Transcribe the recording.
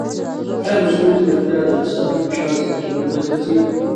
ایا مصنوعي ځیرکتیا د اقتصادي فشار سرچینه نه ګرځي؟